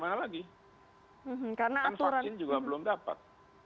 karena vaksin juga belum dapat